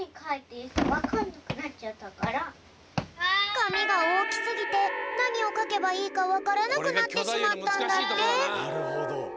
かみがおおきすぎてなにをかけばいいかわからなくなってしまったんだって。